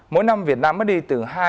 mỗi năm việt nam mới đi từ hai